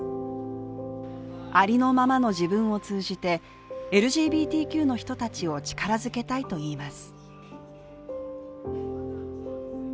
ありのままの自分を通じて、ＬＧＢＴＱの人たちを力づけたいといいます。